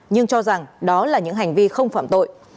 nhưng cho rằng đó là những hành vi không phạm tội